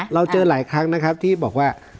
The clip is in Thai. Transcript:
เราเจอหลายครั้งนะครับที่บอกว่า